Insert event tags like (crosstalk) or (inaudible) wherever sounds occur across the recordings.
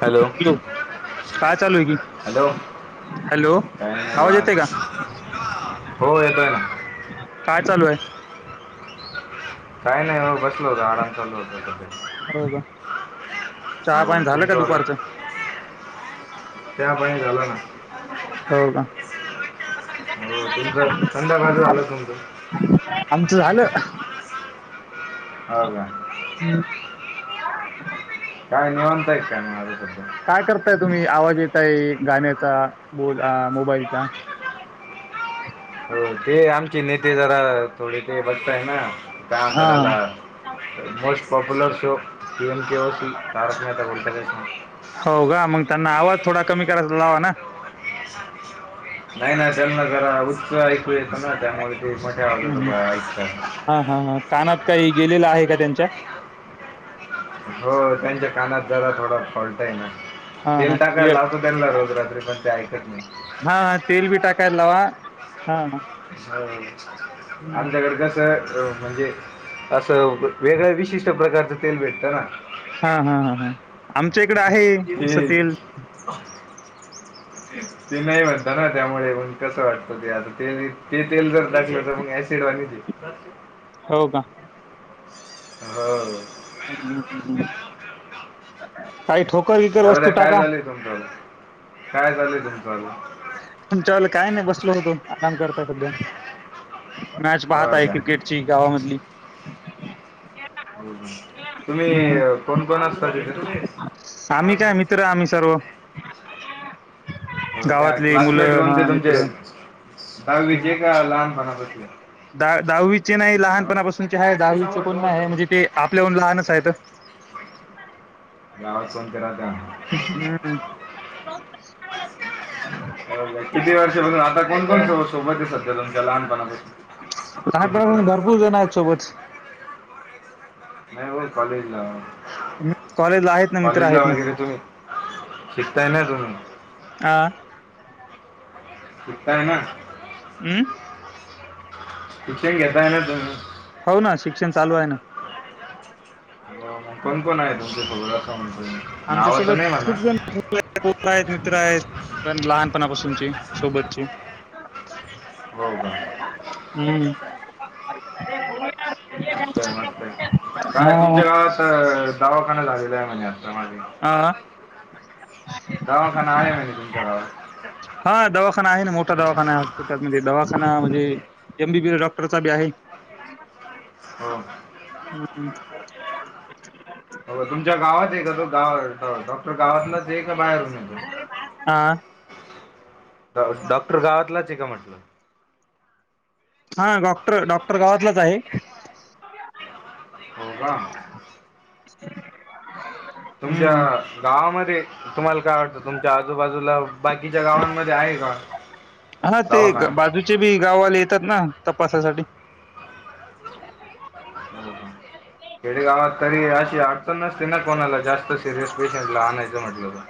Hello! काय चालू आहे की हॅलो! हॅलो - काय नाही आवाज निवांत, येते का हो येतोय ना. काय चालू आहे? काय नाही बसलो होतं आराम चालू होता हारवा जा चहा पाण झालं का दुपारचं? चहा पाणी झाला ना. हो का हो तुमचा संध्याकाळचा झाला का तुमचा (unintelligible) हो का हम्म काय निवांत हाय काय मगं आज काय करताय तुम्ही? आवाज येतय गाण्याचा ब मोबाईलचा हो ते आमचे नेते जरा थोडे ते बघताय ना का आंत हा त्याला मोस्ट पाप्युलर शो पी एन केओ सी तारक मेहता का उल्टा चश्मा हो का मगं त्यांना आवाज थोडा कमी करायचा लावा ना नाही नाही त्यांना करा उचं ऐकू त्यामुळे ते मोठ्या आवाजात हम्म ऐकतात. हा हा हा कानात काही गेलेलं आहे काय त्यांच्या? हो त्यांच्या कानात जरा थोडा फॉल्ट आहे ना हा हा तेल टाकायला ये- लावतो त्यांना रोज रात्री पण ते ऐकत नाही हा हा, तेल बी टाकायला लाव हा आमच्याकडे कस म्हणजे? चव वेगळ्या विशिष्ट प्रकारचं तेल भेटत ना. तिकडं आहे असं ते तेल हम् ते नाही म्हणतं ना त्यामुळे मग कसं वाटतं ते आता ते ते तेल जर टाकलं तर मग एस तेडवणी दे हो का? हो (unintelligible) काही ठोकर-विकर जाऊ द्या वस्तू काय टाका झालंय तुमचं? काय चाललंय तुमचं? तुमच्या वला काय नाही बसलो होतो आराम करताय सध्या मॅच हो पाहत आहे का क्रिकेटची गावामधली. तुम्ही हं, हं. अ कोण कोण असता तिथे आम्ही काय मित्र आम्ही सर्व हो काय गावातली क्लासमेट मुलं कोण ते हां तुमचे मित्र. हम्म. दहावीचे का लहानपणापासे दहा दहावीचे नाही लहानपणापासूनचे आहे दहावीचे कोण नाही आहे म्हणजे ते आपल्याहून लहानच आहेत. गावात फोन करा त्या हं. (unintelligible) हो काय किती वर्ष म्हणू आता कोण कोण सो सोबत आहे सध्या तुमच्या लहानपणापासून ते मित्र लहानपणापासून भरपूर जण आहेत सोबत. नाही हो कॉलेज ला कॉलेजला आहेत ना मित्र आहेत ना. तुम्ही शिकताय ना तुम्ही हां. शिकताय ना अम्म. शिक्षण घेताय न तुम्ही हो ना शिक्षण चालू आहे ना (unintelligible) कोण कोण आहे तुमच्या सोबत. (unintelligible) नावं तर आमच्यासोबत नाही म्हणा खूप जण (unintelligible) आहेत मित्र आहेत पण लहानपणापासून. तुमची सोबतची हो का. (unintelligible) मस्त आहे मस्त आहे काय तुमच्या गावात दावाखाना झालेला आहे म्हणजे चा मागे हा. अ दवाखाना आले माहिती तुमच्या गावात. हा दवाखाना आहे ना मोठा दवाखाना आहे हॉस्पिटलमध्ये दवाखा ना म्हणजे एम बी बी एस डॉक्टरचा बी आहे. हो. हो तुमच्या गावात आहे का तो गाव डॉ डॉक् टर गावातलाच आहे का बाहेरून येतो. हा डॉ डॉक्टर गावातलाच आहे का म्हटलं? हा डॉक्टर डॉक्टर गावातलंच आहे. हो का! तुमच्या हम्म. गावामध्ये तुम्हाला काय वाटतं तुमच्या आजूबाजूला बाकीच्या गावांमध्ये आहे का? हा ते दवाखाना बाजूचे बी गावा वाले येतात ना तपासासाठी. हो हा. खेडेगावात तरी अशी अडचण नसते ना कोणाला जास्त सिरियस पेशंट ला आणाय चं म्हटलं का?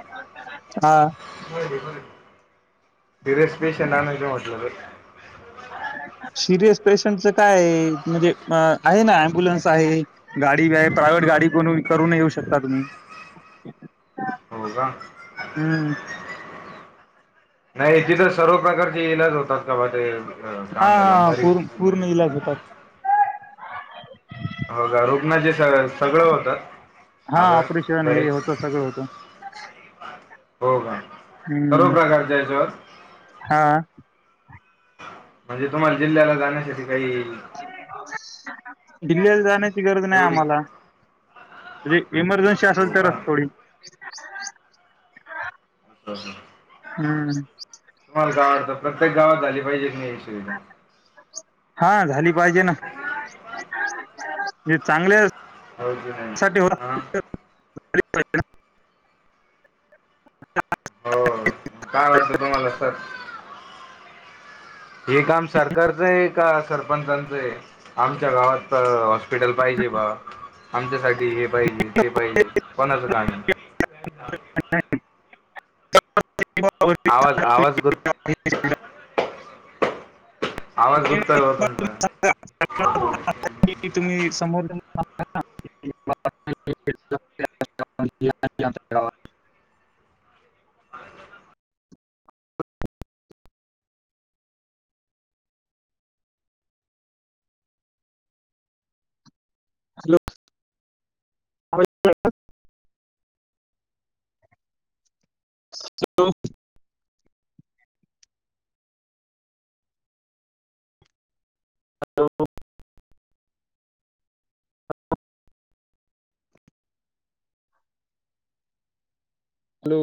हा होय रे होय. सिरियस पेशंन्ट आणायचं म्हंटल तर (unintelligible) सिरियस पेशंटचा कायं म्हणजे आ आहे ना एमब्युलन्स आहे गाडी वे प्रा गाडी को करून येऊ शकता तुम्ही. हो का. हम्म. नाही इथ तर सर्व प्रकारची इलाज होतात का बा ते. हा हा पूर्ण पूर्ण इलाज होतात (unintelligible) (inaudible) होगा रुकना जैसे सगळं होत हा आजारं ऑपरेशन बरे. हे होतं सगळं होतं हो का सर्व हम्म प्रकारच्या ह्याचावरं. हा म्हणजे तुम्हाला जिल्ह्याला जाण्यासाठी. काही दिल्लीला जाणे. गरज नाही एवढी आम्हाला म्हणजे इमर्जन्सी हो असेल का तरचं थोडी. (inaudible) अच्छा अच्छा हम्म तुम्हाला काय वाटतं प्रत्येक गावात झाली पाहिजे का नाही? सुविधा हा झाली पाहिजे ना. हे चांगले - (inaudible) (inaudible) हो काय वाटतं तुम्हाला सर? हे काम सरकारचं आहे का सरपंचांचं आहे आमच्या गावात हस्पिटल पाहिजे बा आमच्यासाठी हे पाहिजे ते पाहिजे कोणाच कामय? (inaudible) आवाज आवाज गं. (unintelligible) तुमचा तुम्ही समोर (unintelligible) (unintelligible) (unintelligible) हॅलो. आवाज येतोय का? हो. Hello hello.